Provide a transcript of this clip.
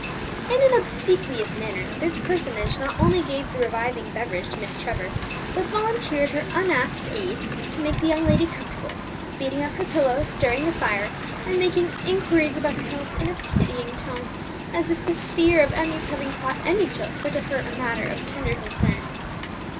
In an obsequious manner this personage not only gave the reviving beverage to Miss Trevor, but volunteered her unasked aid to make the young lady comfortable, beating up her pillow, stirring the fire, and making inquiries about her health in a pitying tone, as if the fear of Emmie's having caught any chill were to her a matter of tender concern.